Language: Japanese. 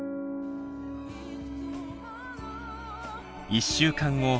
１週間後。